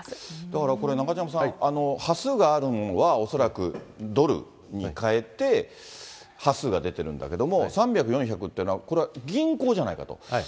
だからこれ、中島さん、端数があるのは、恐らくドルに換えて端数が出てるんだけども、３００、４００というのはこれは銀行じゃないかと。